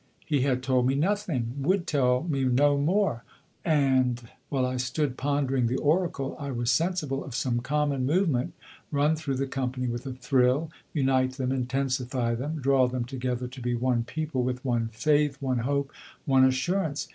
He had told me nothing, would tell me no more, and while I stood pondering the oracle I was sensible of some common movement run through the company with a thrill, unite them, intensify them, draw them together to be one people with one faith, one hope, one assurance.